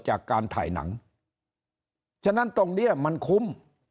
อยากไปถ่ายหนังเชียงนั้นตรงนี้มันคุ้ม